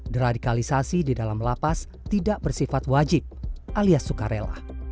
deradikalisasi di dalam lapas tidak bersifat wajib alias sukarela